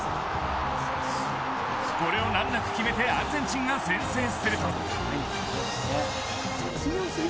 これを難なく決めてアルゼンチンが先制すると。